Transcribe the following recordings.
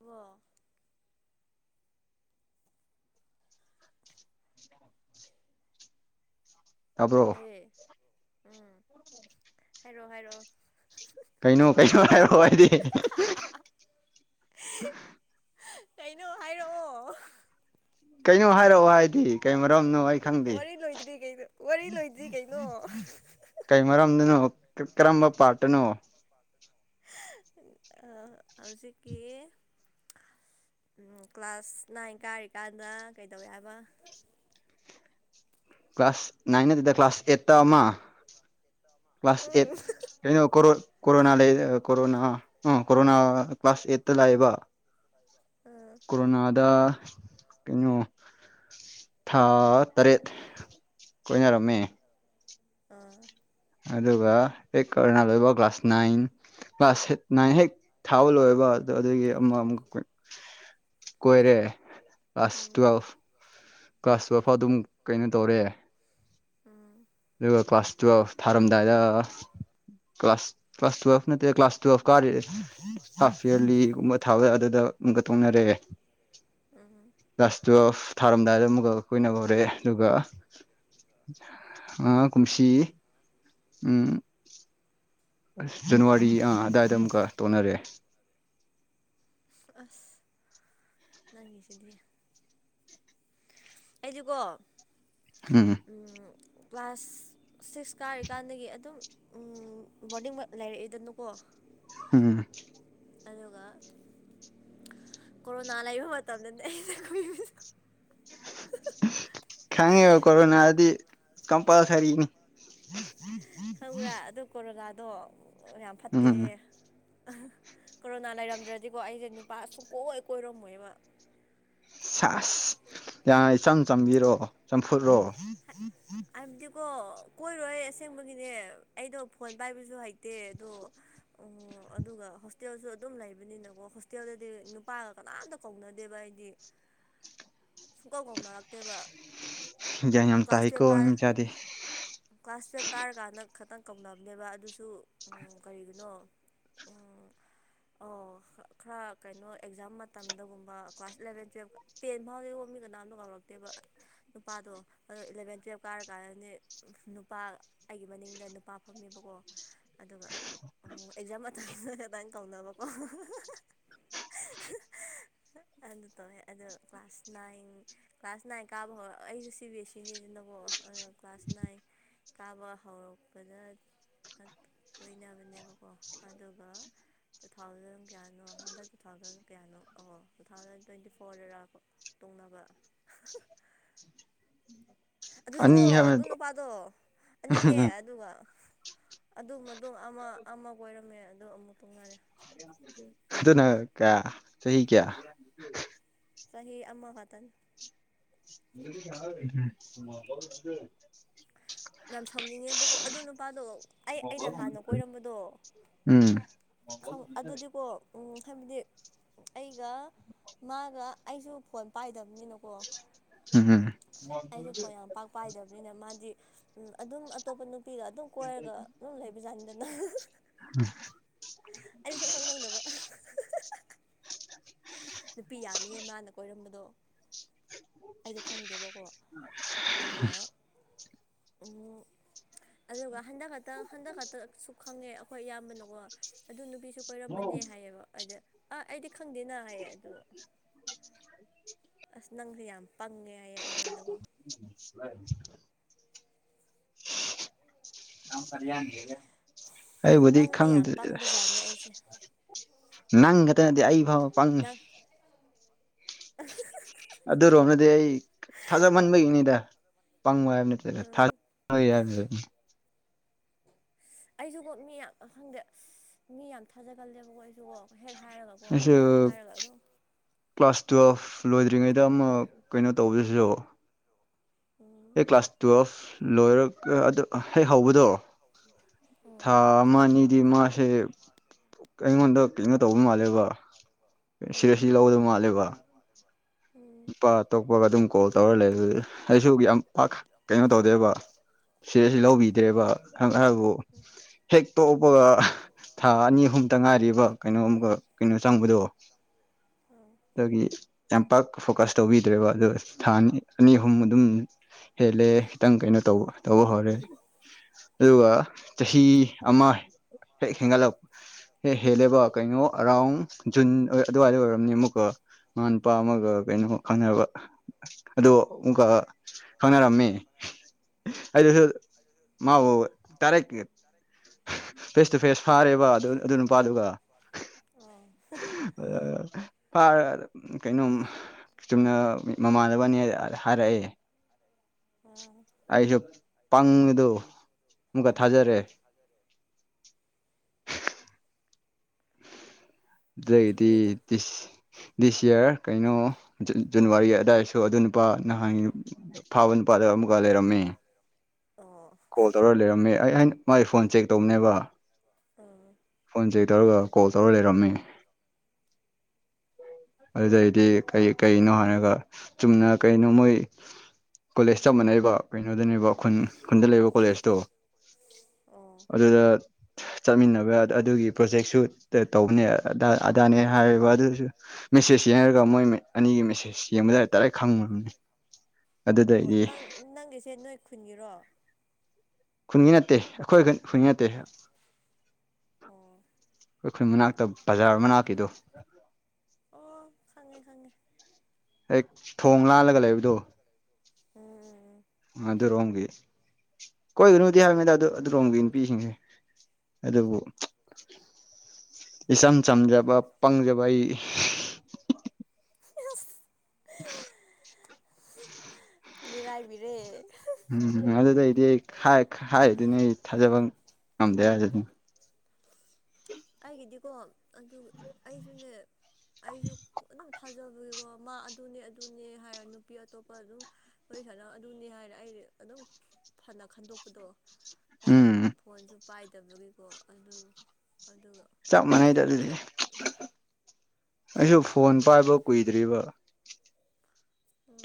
ꯋꯥ ꯇꯥꯕ꯭ꯔꯣ ꯍꯦ ꯎꯝ ꯍꯥꯏꯔꯣ ꯍꯥꯏꯔꯣ ꯀꯩꯅꯣ ꯀꯩꯅꯣ ꯍꯥꯏꯔꯣ ꯍꯥꯏꯗꯤ [unintelligible] ꯀꯩꯅꯣ ꯍꯥꯏꯔꯛꯑꯣ [unintelligible] ꯀꯩꯅꯣ ꯍꯥꯏꯔꯛꯑꯣ ꯍꯥꯏ ꯀꯩ ꯃꯔꯣꯝꯅꯣ ꯑꯩ ꯈꯪꯗꯦ ꯋꯥꯔꯤ ꯂꯣꯏꯗ꯭ꯔꯤ ꯀꯩꯅꯣ ꯋꯥꯔꯤ ꯂꯣꯏꯗ꯭ꯔꯤ ꯀꯩꯅꯣ ꯀꯩ ꯃꯔꯝꯗꯅꯣ ꯀꯔꯝꯕ ꯄꯥꯠꯇꯅꯣ ꯍꯧꯖꯤꯛꯀꯤ ꯀ꯭ꯂꯥꯁ ꯅꯥꯏꯟ ꯀꯥꯔꯤꯀꯥꯟꯗ ꯀꯩꯗꯧꯋꯦꯕ ꯀ꯭ꯂꯥꯁ ꯅꯥꯏꯟ ꯅꯜꯇꯦꯗ ꯀ꯭ꯂꯥꯁ ꯑꯦꯠꯇ ꯑꯃ ꯀ꯭ꯂꯥꯁ ꯎꯝ ꯑꯦꯠ ꯀꯩꯅꯣ ꯀꯣꯔꯣꯅꯥ ꯂꯩ ꯀꯣꯔꯣꯅꯥ ꯑꯥ ꯀꯣꯔꯣꯅꯥ ꯀ꯭ꯂꯥꯁ ꯑꯦꯛꯇ ꯂꯥꯛꯑꯦꯕ ꯑꯥ ꯀꯣꯔꯣꯅꯥꯗ ꯀꯩꯅꯣ ꯊꯥ ꯇꯔꯦꯠ ꯀꯣꯏꯅꯔꯝꯃꯦ ꯑꯥ ꯑꯗꯨꯒ ꯍꯦꯛ ꯀꯣꯔꯅꯥ ꯂꯣꯏꯕ ꯀ꯭ꯂꯥꯁ ꯅꯥꯏꯟ ꯀ꯭ꯂꯥꯁ ꯍꯠ ꯅꯥꯏꯟ ꯍꯦꯛ ꯊꯥꯕ ꯂꯣꯏꯕ ꯑꯗ ꯑꯗꯨꯒꯤ ꯑꯃ ꯑꯃꯨꯛ꯫ ꯀꯣꯏꯔꯦ ꯑꯁ ꯎꯝ ꯇꯨꯑꯦꯜꯐ ꯀ꯭ꯂꯥꯁ ꯇꯨꯋꯜꯞ ꯐꯥꯎ ꯑꯗꯨꯝ ꯀꯩꯅꯣ ꯇꯧꯔꯦ ꯎꯝ ꯑꯗꯨꯒ ꯀ꯭ꯂꯥꯁ ꯇꯨꯌꯦꯜꯞ ꯊꯥꯔꯝꯗꯥꯏꯗ ꯀ꯭ꯂꯥꯁ ꯀ꯭ꯂꯥꯁ ꯇꯨꯌꯦꯜꯐ ꯅꯠꯇꯦ ꯀ꯭ꯂꯥꯁ ꯇꯨꯌꯦꯜꯐ ꯀꯔꯤ꯫ ꯍꯥꯐ ꯌꯥꯔꯂꯤꯒꯨꯝꯕ ꯊꯥꯕꯗ ꯑꯗꯨꯗ ꯑꯃꯨꯛꯀ ꯇꯣꯡꯅꯔꯦ ꯎꯝ ꯂꯥꯁ ꯇꯨꯌꯦꯜꯐ ꯊꯥꯔꯝꯗꯥꯏꯗ ꯑꯃꯨꯛꯀ ꯀꯨꯏꯅ ꯍꯧꯔꯛꯑꯦ ꯑꯗꯨꯒ ꯑꯥ ꯀꯨꯝꯁꯤ ꯎꯝ ꯑꯁ ꯖꯅꯋꯥꯔꯤ ꯑꯥ ꯑꯗꯥꯏꯗ ꯑꯃꯨꯛꯀ ꯇꯣꯛꯅꯔꯦ ꯑꯁ ꯅꯪꯒꯤꯁꯤꯗꯤ ꯑꯩꯗꯤꯀꯣ ꯎꯝ ꯎꯝ ꯀ꯭ꯂꯥꯁ ꯁꯤꯛꯁ ꯀꯥꯔꯤꯀꯥꯟꯗꯒꯤ ꯑꯗꯨꯝ ꯎꯝ ꯕꯣꯔꯗꯤꯡ ꯃꯛ ꯂꯩꯔꯛꯏꯗꯅꯀꯣ ꯎꯝ ꯑꯗꯨꯒ ꯀꯣꯔꯣꯅꯥ ꯂꯩꯕ ꯃꯇꯝꯗꯗꯤ [unintelligible] ꯈꯪꯉꯦꯕ ꯀꯣꯔꯔꯣꯅꯥꯗꯤ ꯀꯝꯄꯜꯁꯔꯤꯅꯤ ꯈꯪꯕ꯭ꯔꯥ ꯑꯗꯨ ꯀꯣꯔꯣꯅꯗꯣ ꯌꯥꯝ ꯐꯠꯇꯦ ꯎꯝ ꯍꯥ ꯀꯣꯔꯣꯅꯥ ꯂꯩꯔꯝꯗ꯭ꯔꯗꯤꯀꯣ ꯑꯩꯁꯦ ꯅꯨꯄꯥ ꯁꯨꯡꯀꯣꯏ ꯀꯣꯏꯔꯝꯃꯣꯏꯕ ꯁꯥꯁ ꯌꯥ ꯏꯆꯝ ꯆꯝꯕꯤꯔꯣ ꯆꯝꯐꯨꯠꯔꯣ ꯍꯥꯏꯕꯗꯤꯀꯣ ꯀꯣꯏꯔꯣꯏ ꯑꯁꯦꯡꯕꯒꯤꯅꯦ ꯑꯩꯗꯣ ꯐꯣꯟ ꯄꯥꯏꯕꯁꯨ ꯍꯩꯇꯦ ꯑꯗꯣ ꯑꯣ ꯑꯗꯨꯒ ꯍꯣꯁꯇꯦꯜꯁꯨ ꯑꯗꯨꯝ ꯂꯩꯕꯅꯤꯅꯀꯣ ꯍꯣꯁꯇꯦꯜꯗꯗꯤ ꯅꯨꯄꯥꯒ ꯀꯅꯥꯝꯇ꯫ ꯀꯧꯅꯗꯦꯕ ꯑꯩꯗꯤ ꯁꯨꯡꯀꯧ ꯀꯧꯅꯔꯛꯇꯦꯕ ꯌꯥꯡ ꯌꯝ ꯇꯥꯏ ꯀꯔꯦ ꯀ꯭ꯂꯥꯁ ꯇꯨꯌꯦꯞ ꯀꯥꯔꯀꯥꯟꯗ ꯈꯇꯪ ꯀꯧꯅꯕꯅꯦꯕ ꯑꯗꯨꯁꯨ ꯎꯝ ꯀꯔꯤꯒꯤꯅꯣ ꯎꯝ ꯑꯣ ꯈꯥ ꯈꯔ ꯀꯩꯅꯣ ꯑꯦꯛꯖꯥꯝ ꯃꯇꯝꯗꯒꯨꯝꯕ ꯀ꯭ꯂꯥꯁ ꯏꯂꯦꯚꯦꯟ ꯇꯨꯌꯦꯜꯞ꯫ ꯇꯦꯟ ꯐꯥꯎꯗꯤ ꯃꯤ ꯀꯅꯥꯝꯇ ꯀꯧꯔꯛꯇꯦꯕ ꯅꯨꯄꯥꯗꯣ ꯑꯗꯣ ꯏꯂꯥꯚꯦꯟ ꯇꯨꯌꯞ ꯀꯥꯔꯀꯥꯟꯗꯗꯤ ꯅꯨꯄꯥ ꯑꯩꯒꯤ ꯃꯅꯤꯡꯗ ꯅꯨꯄꯥ ꯐꯝꯃꯦꯕꯀꯣ꯫ ꯑꯗꯨꯒ ꯑꯃꯨꯛ ꯑꯦꯛꯖꯥꯝ ꯃ꯫ [unintelligible] ꯑꯗꯥꯏ ꯀꯧꯅꯕꯀꯣ ꯍꯥ [unintelligible] ꯑꯗꯨ ꯇꯧꯋꯦ ꯑꯗꯣ ꯀ꯭ꯂꯥꯁ ꯅꯥꯏꯟ ꯀ꯭ꯂꯥꯁ ꯅꯥꯏꯟ ꯀꯥꯕ ꯍꯧꯔ ꯑꯩꯁꯨ ꯁꯤ ꯕꯤ ꯑꯦꯁꯤ ꯅꯦ ꯅꯪ ꯑꯣ ꯀ꯭ꯂꯥꯁ ꯅꯥꯏꯟ ꯀꯥꯕ ꯍꯧꯔꯛꯄꯗ꯫ ꯑ ꯀꯣꯏꯅꯕꯅꯦꯕꯀꯣ ꯑꯗꯨꯒ ꯇꯨ ꯊꯥꯎꯖꯟ ꯀꯌꯥꯅꯣ ꯍꯟꯗꯛ ꯇꯨ ꯊꯥꯎꯖꯟ ꯀꯌꯥꯅꯣ ꯑꯣ ꯇꯨ ꯊꯥꯎꯖꯟ ꯇ꯭ꯋꯦꯟꯇꯤ ꯐꯣꯔꯗꯔ ꯄ ꯇꯣꯛꯅꯕ [unintelligible] ꯑꯗꯨꯁꯨ ꯀꯣ ꯑꯅꯤ ꯍꯥꯏꯕ ꯑꯗꯨ ꯅꯠꯇ꯭ꯔꯣ ꯅꯨꯄꯥꯗꯣ ꯑꯅꯤꯅꯦ ꯑꯗꯨꯒ꯫ ꯑꯗꯨ ꯝꯇꯨꯡ ꯑꯃ ꯑꯃ ꯀꯣꯏꯔꯝꯃꯦ ꯑꯗꯨ ꯑꯃꯨꯛ ꯇꯣꯛꯅꯔꯦ ꯑꯗꯨꯅ ꯀꯌꯥ ꯆꯍꯤ ꯀꯌꯥ ꯆꯍꯤ ꯑꯃꯈꯛꯇꯪ ꯎꯝ [unintelligible] ꯅꯝ ꯁꯥꯎꯅꯤꯡꯉꯦꯕꯀꯣ ꯑꯗꯣ ꯅꯨꯄꯥꯗꯣ ꯑꯩ ꯑꯩꯅ ꯍꯥꯟꯅ ꯀꯣꯏꯔꯝꯕꯗꯣ ꯎꯝ ꯈꯥꯪ ꯑꯗꯨꯗꯤꯀꯣ ꯎꯝ ꯍꯥꯏꯕꯗꯤ ꯑꯩꯒ ꯃꯥꯒ ꯑꯩꯁꯨ ꯐꯣꯟ ꯄꯥꯏꯗꯕꯅꯤꯅ ꯀꯣ ꯎꯝ ꯎꯝ ꯑꯩꯁꯨ ꯐꯤꯟ ꯌꯥꯝ ꯄꯥꯛ ꯄꯥꯏꯗꯕꯅꯤꯅ ꯃꯥꯗꯤ ꯑꯗꯨꯝ ꯑꯇꯣꯞꯄ ꯅꯨꯄꯤꯒ ꯑꯗꯨꯝ ꯀꯣꯏꯔꯒ ꯑꯗꯨꯝ ꯂꯩꯕꯖꯥꯅꯤꯗꯅ ꯎꯝ ꯑꯩ ꯁꯨꯝ ꯈꯪ ꯈꯪꯗꯕ ꯍꯥ ꯍꯥꯍꯥ ꯅꯨꯄꯤ ꯌꯥꯝꯃꯤꯍꯦ ꯃꯥꯅ ꯀꯣꯏꯔꯝꯕꯗꯣ ꯑꯩꯗꯤ ꯈꯪꯗꯦꯕꯀꯣ ꯑꯗꯨꯒ ꯑꯗꯨꯒ ꯍꯟꯗꯛ ꯈꯛꯇ ꯍꯟꯗꯛ ꯈꯛꯇ ꯁꯨꯛ ꯈꯪꯉꯦ ꯑꯩꯈꯣꯏ ꯏꯌꯥꯝꯕꯅ ꯑꯣ ꯑꯗꯨ ꯅꯨꯄꯤꯁꯨ ꯀꯣꯏꯔꯝꯕꯅꯦ ꯍꯥꯏꯌꯦꯕ ꯑꯗ꯫ ꯑꯥ ꯑꯩꯗꯤ ꯈꯪꯗꯦꯅ ꯍꯥꯏꯌꯦ ꯑꯗꯨ ꯑꯁ ꯅꯪꯁꯦ ꯌꯥꯝ ꯄꯪꯉꯦ ꯍꯥꯏꯌꯦ꯫ ꯑꯩꯉꯣꯟꯗꯀꯣ [inaudible] [unintelligible] [inaudible] [unintelligible] ꯑꯩꯕꯨꯗꯤ ꯄꯪꯗꯤ ꯌꯥꯝ ꯈꯪꯗꯦ ꯑꯁ ꯄꯪꯕꯖꯥꯠꯅꯦ ꯑꯩꯁꯦ ꯅꯪꯈꯠꯇ ꯅꯠꯇꯦ ꯑꯩ ꯐꯥꯎ ꯄꯪꯉꯤ ꯅꯪ ꯑꯗꯨꯔꯣꯝꯅꯗꯤ ꯑꯩ ꯊꯥꯖꯃꯟꯕꯒꯤꯅꯤꯗ ꯄꯪꯕ ꯍꯥꯏꯕ ꯅꯠꯇꯦꯗ ꯊ ꯎꯝ [unintelligible] ꯑꯩꯁꯨꯀꯣ ꯃꯤ ꯌꯥꯝ ꯈꯪꯗꯦ ꯢꯁ ꯃꯤ ꯌꯥꯝ ꯊꯥꯖꯒꯜꯂꯦꯕꯀꯣ ꯑꯩꯁꯨꯀꯣ ꯍꯦꯛ ꯍꯥꯏꯔꯒꯀꯣ ꯑꯩꯁꯨ ꯑꯧ ꯍꯥꯏꯔꯒ ꯑꯗꯨꯝ ꯀ꯭ꯂꯥꯁ ꯇꯨꯌꯦꯦꯜꯐ ꯂꯣꯏꯗ꯭ꯔꯤꯉꯩꯗ ꯑꯃꯨꯛ ꯀꯩꯅꯣ ꯇꯧꯕꯁꯤꯁꯨ ꯎꯝ ꯑꯦ ꯀ꯭ꯂꯥꯁ ꯇꯨꯋꯦꯜꯐ ꯂꯣꯏꯔꯒ ꯑꯗꯨ ꯍꯦꯛ ꯍꯧꯕꯗꯣ ꯊꯥ ꯎꯝ ꯑꯃ ꯑꯅꯤꯗꯤ ꯃꯥꯁꯦ ꯑꯩꯉꯣꯟꯗ ꯀꯩꯅꯣ ꯇꯧꯕ ꯃꯥꯜꯂꯦꯕ ꯁꯤꯔ ꯁꯤ ꯂꯧꯕꯗꫭ ꯃꯥꯜꯂꯦꯕ ꯃꯥꯜꯂꯦꯕ ꯅꯨꯄꯥ ꯑꯇꯣꯛꯄꯒ ꯑꯗꯨꯝ ꯀꯣꯜ ꯇꯧꯔ ꯂꯩ ꯑꯗꯨꯗꯤ ꯑꯩꯁꯨ ꯌꯥꯝ ꯄꯥꯛ ꯀꯩꯅꯣ ꯇꯧꯗꯦꯕ ꯁꯤꯔ꯭ꯁꯁꯨ ꯎꯝ ꯂꯧꯕꯤꯗ꯭ꯔꯦꯕ ꯑꯗꯨꯕꯨ ꯍꯦꯛ ꯇꯣꯛꯄꯒ ꯊꯥ ꯑꯅꯤ ꯑꯍꯨꯝꯇꯪ ꯉꯥꯏꯔꯤꯕ ꯀꯩꯅꯣꯝꯒ ꯀꯩꯅꯣ ꯆꯪꯕꯗꯨ ꯎꯝ ꯎꯝ ꯑꯗꯨꯒꯤ ꯌꯥꯝꯄꯥꯛ ꯐꯣꯀ꯭ꯁ ꯇꯧꯕꯤꯗ꯭ꯔꯦꯕ ꯑꯗꯨꯒ ꯊꯥ ꯑꯅꯤ ꯑꯅꯤ ꯑꯍꯨꯝ ꯑꯗꯨꯝ ꯍꯦꯜꯂꯦ ꯈꯤꯇꯪ ꯀꯩꯅꯣ ꯇꯧꯕ ꯇꯧꯕ ꯍꯧꯔꯦ ꯑꯗꯨꯒ ꯆꯍꯤ ꯑꯃ ꯍꯦꯛ ꯍꯦꯟꯒꯂꯞ ꯍꯦ ꯍꯦꯜꯂꯦꯕ ꯀꯩꯅꯣ ꯑꯔꯥꯎꯟ ꯖꯨꯟ ꯑꯗꯨꯋꯥꯏꯗ ꯑꯣꯏꯔꯝꯅꯤꯕꯀꫭ ꯃꯥ ꯅꯨꯨꯄꯥ ꯑꯃꯒ ꯀꯩꯅꯣ ꯈꯪꯅꯕ ꯑꯗꯨ ꯑꯃꯨꯛꯀ ꯈꯪꯅꯔꯝꯃꯦ ꯑꯩꯗꯁꯨ ꯃꯥꯕꯨ ꯇꯥꯔꯛꯀꯦ ꯐꯦꯁ ꯇꯨ ꯐꯦꯁ ꯐꯥꯔꯦꯕ ꯑꯗꯨ ꯑꯗꯨ ꯅꯨꯄꯥꯗꯨꯒ ꯑ ꯑꯣ ꯐꯥꯔ ꯀꯩꯅꯣꯝ ꯆꯨꯝꯅ ꯃꯃꯥꯟꯅꯕꯅꯦ ꯍꯥꯏꯔꯛꯑꯦ ꯑꯣ ꯑꯩꯁꯨ ꯄꯪꯕꯗꯨ ꯑꯃꯨꯛꯀ ꯎꯝ ꯊꯥꯖꯔꯦ ꯈꯪꯗꯦꯗ ꯑꯗꯨꯗꯩꯗꯤ ꯗꯤꯁ ꯗꯤꯁ ꯌꯔ ꯀꯩꯅꯣ ꯖ ꯖꯅꯥꯋꯥꯔꯤ ꯑꯗꯥꯏꯁꯨ ꯑꯗꯨ ꯅꯨꯄꯥ ꯅꯍꯥꯟꯒꯤ ꯐꯥꯕ ꯅꯨꯄꯥꯗ ꯑꯃꯨꯛꯀ ꯂꯩꯔꯝꯃꯦ ꯑꯣ ꯀꯣꯜ ꯇꯧꯔ ꯂꯩꯔꯝꯃꯦ ꯑꯩ ꯑꯩꯅ ꯃꯥꯏ ꯐꯣꯟ ꯆꯦꯛ ꯇꯧꯕꯅꯦꯕ ꯎꯝ ꯐꯣꯟ ꯆꯦꯛ ꯇꯧꯔꯒ ꯀꯣꯜ ꯇꯧꯔ ꯂꯩꯔꯝꯃꯦ ꯑꯗꯨꯗꯩꯗꯤ ꯀꯩ ꯀꯩꯅꯣ ꯍꯥꯏꯔꯒ ꯆꯨꯝꯅ ꯀꯩꯅꯣ ꯃꯣꯏ ꯀꯣꯂꯦꯁ ꯆꯞ ꯃꯥꯟꯅꯩꯕ ꯀꯩꯅꯣꯗꯅꯦꯕ ꯈꯨꯟ ꯈꯨꯟꯗ ꯂꯩꯕ ꯀꯣꯂꯦꯁꯇꯣ ꯑꯣ ꯑꯗꯨꯗ ꯆꯠꯃꯤꯟꯅꯕ ꯑꯗꯨꯒꯤ ꯄ꯭ꯔꯣꯖꯦꯛꯁꯨ ꯇꯧꯕꯅꯦ ꯑꯗꯥ ꯑꯗꯥꯅꯦ ꯍꯥꯏꯔꯦꯕ ꯑꯗꯨꯁꯨ ꯃꯦꯁꯦꯁ ꯌꯦꯡꯉꯒ ꯃꯣꯏ ꯑꯅꯤꯒꯤ ꯃꯦꯁꯦꯁ ꯌꯦꯡꯕꯗ ꯗꯥꯥꯏꯔꯦꯛ ꯈꯪꯕꯉꯝꯃꯦ ꯑꯣ ꯅꯪ ꯅꯪꯒꯤꯁꯦ ꯅꯣꯏ ꯈꯨꯟꯒꯤꯔꯣ ꯈꯨꯟꯒꯤ ꯅꯠꯇꯦ ꯑꯩꯈꯣꯏ ꯈꯨꯟꯒꯤ ꯅꯠꯇꯦ ꯑꯣ ꯑꯩꯈꯣꯏ ꯃꯅꯥꯛꯇ ꯕꯖꯥꯔ ꯃꯅꯥꯛꯀꯤꯗꯣ ꯑꯣ ꯈꯪꯉꯦ ꯈꯪꯉꯦ ꯍꯦꯛ ꯊꯣꯡ ꯂꯥꯜꯂꯒ ꯂꯩꯕꯗꯣ ꯎꯝ ꯎꯝ ꯑꯗꯨꯔꯣꯝꯒꯤ ꯀꯣꯏꯒꯅꯨꯗꯤ ꯍꯥꯏꯕꯅꯤ ꯑꯗꯥꯏꯗꯨ ꯑꯗꯨ ꯂꯣꯝꯒꯤ ꯅꯨꯄꯤꯁꯤꯡꯁꯦ ꯑꯗꯨꯕꯨ ꯏꯆꯝ ꯆꯝꯖꯕ ꯄꯪꯖꯕ ꯑꯩ ꯎꯝ ꯑꯁ [inaudible] [unintelligible] ꯃꯤꯔꯥꯏꯕꯤꯔꯦ ꯎꯝ ꯑꯗꯨꯅ ꯑꯩꯗꯤ ꯍꯥꯏ ꯍꯥꯏꯔꯤꯗꯨꯅꯤ ꯑꯩ ꯊꯥꯖꯕ ꯉꯝꯗꯦ ꯍꯥꯏꯖꯦ ꯑꯗꯨꯅꯤ ꯑꯩꯒꯤꯗꯤꯀꯣ ꯑꯗꯨ ꯑꯩꯁꯨꯅꯦ ꯑꯩꯁꯨ ꯑꯗꯨꯝ ꯊꯥꯖꯕꯒꯤꯀꯣ ꯃꯥ ꯑꯗꯨꯅꯦ ꯑꯗꯨꯅꯦ ꯍꯥꯏꯔ ꯅꯨꯄꯤ ꯑꯇꯣꯞꯄ ꯑꯗꯨꯝ ꯋꯥꯔꯤ ꯁꯥꯅ ꯑꯗꯨꯅꯤ ꯍꯥꯏꯔꯦ ꯑꯩ ꯑꯗꯨꯝ ꯐꯅ ꯈꯟꯗꯣꯛꯄꯗꯣ ꯑꯗꯣ ꯎꯝ ꯐꯣꯟꯁꯨ ꯄꯥꯏꯗꯕꯒꯤꯀꯣ ꯑꯗꯨ ꯑꯗꯨꯒ ꯆꯞ ꯃꯥꯟꯅꯩꯗ ꯑꯗꯨꯗꯤ ꯁꯨꯝ ꯑꯩꯁꯨ ꯐꯣꯟ ꯁꯨꯝ ꯄꯥꯏꯕ ꯀꯨꯏꯗ꯭ꯔꯤꯕ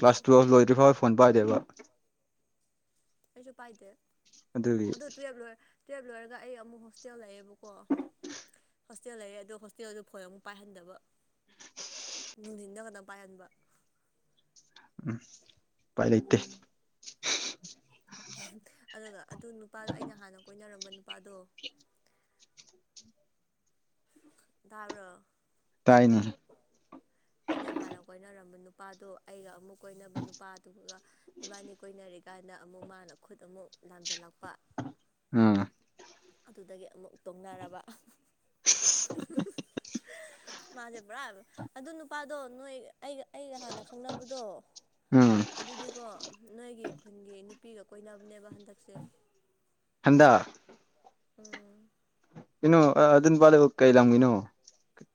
ꯀ꯭ꯂꯥꯁ ꯇꯨꯌꯦꯞ ꯂꯣꯏꯗ꯭ꯔꯤ ꯐꯥꯎ ꯐꯣꯟ ꯄꯥꯏꯗꯦꯕ ꯑꯩꯁꯨ ꯄꯥꯏꯗꯦ ꯑꯗꯨꯒꯤ ꯇꯨꯌꯦꯞ ꯂꯣꯏ ꯇꯨꯌꯦꯞ ꯂꯣꯏꯔꯒ ꯑꯩ ꯑꯃꯨꯛ ꯍꯣꯁꯇꯦꯜ ꯂꯩꯌꯦꯕꯀꯣ ꯍꯣꯁꯇꯦꯜ ꯂꯩꯔꯦ ꯑꯗꯨ ꯍꯣꯁꯇꯦꯜꯗꯨ ꯐꯣꯟ ꯑꯃꯨꯛ ꯄꯥꯏꯍꯟꯗꯕ ꯅꯨꯡꯊꯤꯟꯗ ꯈꯛꯇꯪ ꯄꯥꯏꯍꯟꯕ ꯎꯝ ꯄꯥꯏ ꯂꯩ ꯏꯇꯦ ꯑꯗꯨꯒ ꯑꯗꯨ ꯅꯨꯄꯥꯗꯣ ꯑꯩꯅ ꯍꯥꯟꯅ ꯀꯣꯏꯅꯔꯝꯕ ꯅꯨꯄꯥꯗꯣ ꯔ ꯇꯥꯏꯅ ꯑꯩꯅ ꯍꯥꯟꯅ ꯀꯣꯏꯅꯔꯝꯕ ꯅꯨꯄꯥꯗꯣ ꯑꯩꯒ ꯑꯃꯨꯛ ꯀꯣꯏꯅꯕ ꯅꯨꯄꯥ ꯑꯗꯨꯒꯒ ꯏꯕꯥꯅꯤ ꯀꯣꯏꯅꯔꯤꯒꯦ ꯀꯥꯏꯅ ꯑꯃꯨꯛ ꯃꯥꯅ ꯈꯨꯠ ꯑꯃꯨꯛ ꯂꯥꯝꯖꯜꯂꯛꯄ ꯑꯥ ꯑꯗꯨꯗꯒꯤ ꯑꯃꯨꯛ ꯇꯧꯅꯔꯕ ꯃꯥꯁꯦ ꯄꯨꯔꯥ ꯑꯗꯨ ꯅꯨꯄꯥꯗꯣ ꯅꯣꯏ ꯑꯩꯒ ꯑꯩꯒ ꯍꯥꯟꯅ ꯈꯪꯅꯕꯗꯣ ꯎꯝ ꯑꯗꯨꯗꯤꯀꯣ ꯅꯣꯏꯒꯤ ꯈꯨꯟꯒꯤ ꯅꯨꯄꯤꯒ ꯀꯣꯏꯅꯕꯅꯦꯕ ꯍꯟꯗꯛꯁꯦ ꯊꯟꯗ ꯎꯝ ꯀꯩꯅꯣ ꯑꯗꯨ ꯅꯨꯄꯥꯂ ꯀꯩ ꯂꯝꯒꯤꯅꯣ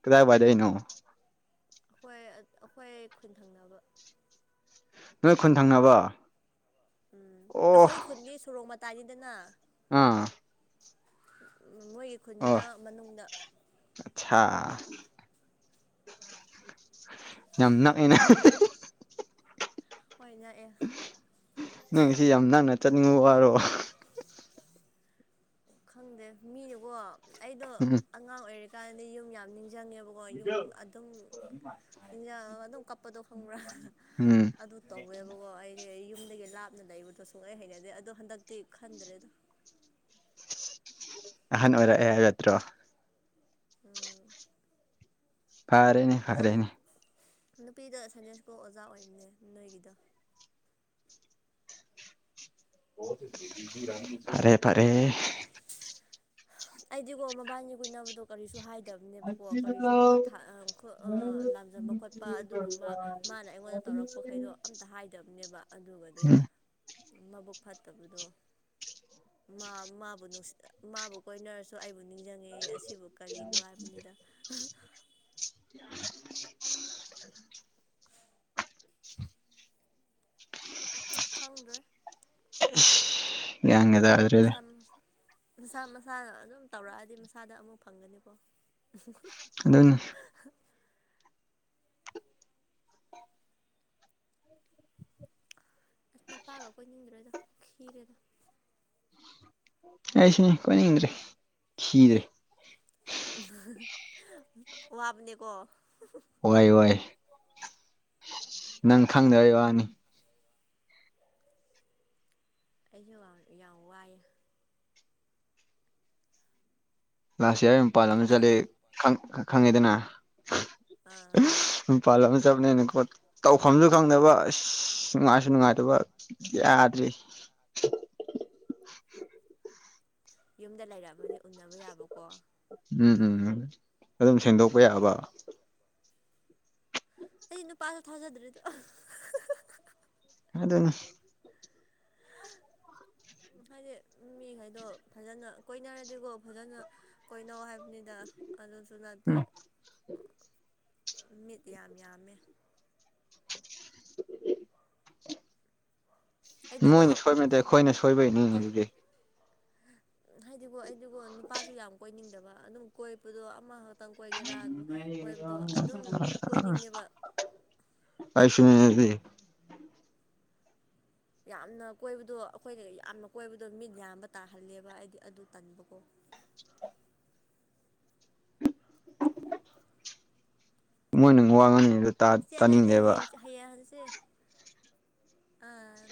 ꯀꯗꯥꯏꯋꯥꯏꯗꯏꯩꯅꯣ ꯑꯩꯈꯣꯏ ꯑꯩꯈꯣꯏ ꯈꯨꯟꯊꯪꯅꯕ ꯅꯣꯏ ꯈꯨꯟ ꯊꯪꯅꯕ ꯎꯝ ꯑꯣ ꯑꯩꯈꯣꯏ ꯈꯨꯟꯗꯤ ꯁꯨꯔꯣꯡ ꯃꯇꯥꯏꯅꯤꯗꯅ ꯑꯥ ꯝ ꯃꯣꯏꯒꯤ ꯈꯨꯟꯗꯨꯅ ꯃꯅꯨꯡꯗ ꯑꯆꯥ ꯌꯥꯝ ꯅꯥꯑꯦꯅ ꯍꯣꯏ ꯉꯥꯛꯑꯦ ꯅꯪ ꯁꯤ ꯌꯥꯝ ꯛꯅ ꯆꯠꯅꯤꯡꯕ ꯋꯥꯔꯣ ꯈꯪꯗꯦ ꯃꯤꯗꯨꯀꯣ ꯑꯩꯗꯣ ꯎꯝ ꯑꯉꯥꯡ ꯑꯣꯏꯔꯤꯀꯥꯟꯗ ꯌꯨꯝ ꯌꯥꯝ ꯅꯤꯡꯁꯤꯡꯉꯦꯕꯀꯣ ꯀ ꯌꯨꯝ ꯑꯗꯨꯝ ꯏꯤꯟꯖꯥꯡ ꯑꯗꯨꯝ ꯀꯞꯄꯗꯣ ꯈꯪꯕ꯭ꯔꯥ ꯎꯝ ꯑꯗꯨ ꯇꯧꯋꯦꯕꯀꯣ ꯑꯩꯗꯤ ꯌꯨꯝꯗꯒꯤ ꯂꯥꯞꯅ ꯂꯩꯕꯗꯣ ꯁꯨꯡꯂꯩ ꯍꯩꯅꯗꯦ ꯑꯗꯣ ꯍꯟꯗꯛꯇꯤ ꯈꯟꯗ꯭ꯔꯦꯗꯣ ꯑꯍꯥꯟ ꯑꯣꯏꯔꯛꯑꯦ ꯍꯥꯏ ꯌꯥꯠꯇ꯭ꯔꯣ ꯎꯝ ꯐꯔꯦꯅꯦ ꯑꯗꯨꯝ ꯐꯔꯦꯅꯦ ꯅꯨꯄꯤꯗ ꯁꯟꯗꯦꯁꯀꯨ ꯑꯣꯖꯥ ꯑꯣꯏꯕꯅꯦ ꯅꯣꯏꯒꯤꯗ ꯐꯔꯦ ꯐꯔꯦ ꯑꯩꯗꯤꯒꯣ ꯃꯕꯥꯅꯤ ꯀꯨꯏꯅꯕꯗꯣ ꯀꯔꯤꯁꯨ ꯍꯥꯏꯗꯕꯅꯦꯕꯀꯣ ꯀꯔꯤꯁꯨ ꯈꯨꯠꯠ ꯂꯥꯝꯖꯟꯕ ꯈꯣꯠꯄ ꯑꯗꯨꯒꯨꯝꯕ ꯃꯥꯅ ꯑꯩꯉꯣꯟꯗ ꯇꯧꯔꯛꯄꯈꯩꯗꯣ ꯑꯝꯇ ꯍꯥꯏꯗꯕꯅꯦꯕ ꯑꯗꯨꯒꯗꯤ ꯃꯕꯨꯛ ꯐꯠꯇꯕꯗꯣ ꯃꯥꯕꯨ ꯅꯨꯡꯁꯤ ꯃꯥꯕꯨ ꯀꯣꯏꯅꯔꯁꯨ ꯑꯩꯕꯨ ꯅꯤꯡꯁꯤꯡꯉꯦ ꯑꯁꯤꯕꯨ ꯀꯔꯤꯅꯣ ꯍꯥꯏꯕꯅꯤꯗ ꯎ ꯈꯪꯗ꯭ꯔꯦ ꯌꯥꯒ ꯁꯝ ꯃꯁꯥ ꯃꯁꯥꯅ ꯑꯗꯨꯝ ꯇꯧꯔꯛꯑꯗꯤ ꯃꯁꯥꯗ ꯑꯃꯨꯛ ꯐꯪꯒꯅꯤꯀꯣ ꯑꯗꯨꯅꯤ ꯑꯁꯅꯄꯥꯒ ꯀꯣꯏꯅꯤꯡꯗ꯭ꯔꯦꯗ ꯈꯤꯔꯦꯗ ꯑꯩ ꯁꯤꯅꯦ ꯀꯣꯏꯅꯤꯡꯗ꯭ꯔꯦ ꯤꯗ꯭ꯔꯦ ꯋꯥꯕꯅꯦꯀꯣ ꯋꯥꯥꯏ ꯋꯥꯏ ꯅꯪ ꯈꯪꯗꯕꯩ ꯋꯥꯅꯤ ꯑꯩꯁꯨ ꯌꯥꯝ ꯋꯥꯏꯑꯦ ꯂꯥꯁ ꯏꯌꯥꯔ ꯃꯄꯥꯟ ꯑꯃ ꯆꯠꯂꯦ ꯑꯗꯣ ꯈꯪꯉꯦꯗꯅ ꯑꯥ ꯄꯜ ꯑꯃ ꯆꯠꯅꯦꯅꯀꯣ ꯇꯧꯐꯝꯁꯨ ꯈꯪꯗꯕ ꯑꯁ ꯅꯨꯡꯉꯥꯏꯁꯨ ꯅꯨꯡꯉꯥꯏꯇꯕ ꯌꯥꯗ꯭ꯔꯤ ꯌꯨꯝꯗ ꯂꯩꯔꯛꯑꯃ ꯎꯟꯅꯅꯕ ꯌꯥꯕꯀꯣ ꯎꯝ ꯎꯝ ꯎꯝ ꯑꯗꯨꯝ ꯁꯦꯝꯦꯡꯗꯣꯛꯄ ꯌꯥꯕ ꯑꯩ ꯅꯨ ꯄ ꯊꯥꯖꯗ꯭ꯔꯦꯗꯣ ꯑꯗꯨ ꯑꯗꯨꯅ ꯎꯝ ꯍꯥꯏꯗꯤ ꯃꯤꯈꯩꯗꯣ ꯐꯖꯅ ꯀꯣꯏꯅꯔꯗꯤꯀꯣ ꯐꯖꯅ ꯀꯣꯏꯅꯧ ꯍꯥꯏꯕ ꯅꯤꯗ ꯑꯗꯨꯁꯨ ꯅꯠꯇꯦ ꯎꯝ ꯃꯤꯠ ꯌꯥꯝ ꯌꯥꯝꯃꯦ ꯑꯣꯏ ꯃꯣꯏꯅ ꯁꯣꯏꯕꯗꯦ ꯑꯩꯈꯣꯏꯅ ꯁꯣꯏꯕꯩꯅꯤ ꯑꯗꯨꯗꯤ ꯍꯥꯏꯗꯤꯀꯣ ꯑꯩꯗꯤꯒꯣ ꯅꯨꯄꯥꯁꯨ ꯌꯥꯝ ꯀꯣꯏꯅꯤꯡꯗꯕ ꯑꯗꯨꯝ ꯀꯣꯏꯕꯗꯣ ꯑꯃ ꯇꯪ ꯀꯣꯏꯒꯦꯔꯥꯅ ꯀꯣꯏꯕꯗꯣ ꯑꯗꯨꯝ ꯀꯣꯏꯅꯤꯡꯉꯦꯕ ꯑꯥꯏꯁꯨꯃꯤꯗꯤ ꯌꯥꯝꯅ ꯀꯣꯏꯕꯗꯣ ꯑꯩꯈꯣꯏꯅ ꯌꯥꯝꯅ ꯀꯣꯏꯕꯗꯣ ꯃꯤꯠ ꯌꯥꯝꯕ ꯇꯥꯍꯜꯂꯦꯕ ꯍꯥꯏꯗꯤ ꯑꯗꯨ ꯇꯟꯕꯀꯣ [inaudible] ꯃꯣꯏꯅꯪ ꯋꯥꯡꯉꯅꯤꯗ ꯆꯦꯜꯂꯅꯤ ꯍꯌꯦꯡ ꯍꯌꯦꯡꯍꯟꯁꯦ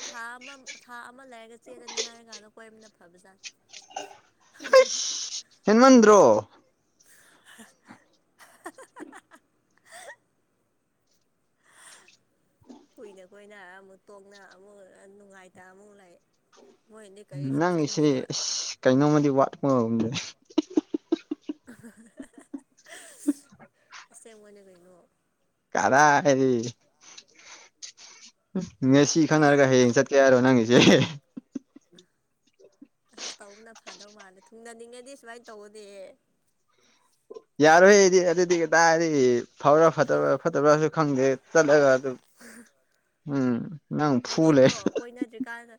ꯊꯥ ꯑꯃ ꯊꯥ ꯑꯃ ꯂꯩꯔꯒ ꯆꯦꯜꯂꯅꯤ ꯍꯥꯏꯔ ꯀꯥꯟꯗ ꯀꯣꯏꯕꯅ ꯐꯕꯖꯥꯠꯅꯤ ꯌꯦꯟ ꯃꯟꯣ ꯀꯨꯏꯅ ꯀꯨꯏꯅ ꯑꯃꯨꯛ ꯇꯣꯡꯅ ꯑꯃꯨꯛ ꯅꯨꯡꯉꯥꯏꯇ ꯑꯃꯨꯛ ꯂꯩ ꯃꯣꯏꯅꯗꯤ ꯀꯔꯤꯁꯨ ꯅꯪꯒꯤꯁꯤꯦ ꯈꯟꯕꯤꯔꯣꯏ ꯑꯁ ꯀꯩꯅꯣꯝꯃꯗꯤ ꯋꯥꯠꯄꯝꯗꯦ ꯑ [inaudible] ꯑꯁꯦꯡ ꯑꯣꯏꯅ ꯀꯩꯅꯣ ꯀꯗꯥꯔꯤ ꯉꯁꯤ ꯑꯗꯣ ꯈꯟꯅꯔꯒ ꯍꯌꯦꯡ ꯆꯠꯀꯦ ꯍꯥꯏꯔꯣ ꯅꯪꯒꯤꯁꯦ ꯑꯁ ꯑꯁ ꯇꯧꯕꯅ ꯐꯗꯧ ꯃꯥꯜꯂꯦ ꯊꯨꯡꯅꯅꯤꯡꯉꯗꯤ ꯁꯨꯃꯥꯏꯅ ꯇꯧꯅꯦ ꯌꯥꯔꯣꯏꯗꯤ ꯑꯗꯨꯗꯤ ꯀꯇꯥꯔꯗꯤ ꯐꯥꯎꯔ ꯐꯠꯇꯕ꯭ꯔ ꯐꯠꯇꯕ꯭ꯔꯥꯁꯨ ꯈꯪꯗꯦ ꯆꯠꯂꯒ ꯑ ꯎꯝ ꯅꯪ ꯐꯨ ꯂꯩ ꯍꯥꯏꯗꯤꯀꯣ ꯀꯣꯏꯅꯗ꯭ꯔꯤꯀꯥꯟꯗ